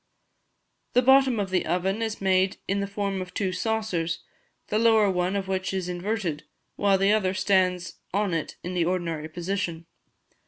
The bottom of the oven, is made in the form of two saucers, the lower one of which is inverted, while the other stands on it in the ordinary position.